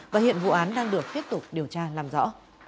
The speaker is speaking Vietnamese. và hiện vụ án đang được tiếp tục điều tra làm rõ